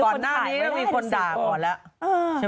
ก่อนนั้นนี่แอบคุณด่าออกละ